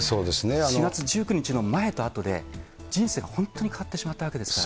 ４月１９日の前とあとで、人生が本当に変わってしまったわけです